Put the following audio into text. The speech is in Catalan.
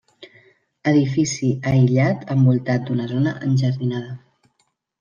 Edifici aïllat envoltat d'una zona enjardinada.